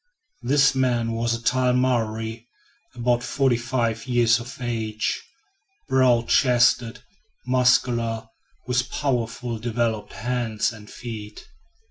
This man was a tall Maori, about forty five years of age, broad chested, muscular, with powerfully developed hands and feet.